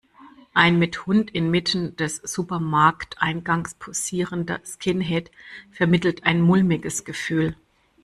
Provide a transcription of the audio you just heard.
Ein mit Hund in Mitten des Supermarkteingangs posierender Skinhead vermittelt ein mulmiges Gefühl.